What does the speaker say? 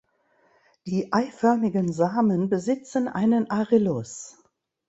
Die eiförmigen Samen besitzen einen Arillus.